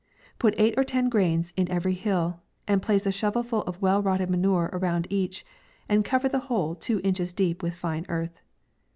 Put eight or ten grains in every hill, and place a shovel full of well rotted manure around each, and cover the whole two inches deep with fine earth.